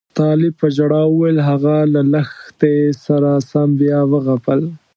طالب په ژړا وویل هغه له لښتې سره سم بیا وغپل.